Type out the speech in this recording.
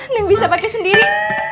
lo bisa pake sendiri